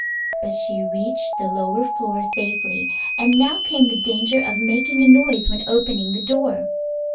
But she reached the lower floor safely, and now came the danger of making a noise when opening the door.